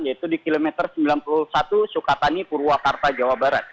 yaitu di kilometer sembilan puluh satu sukatani purwakarta jawa barat